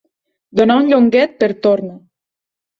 Donar un llonguet per torna.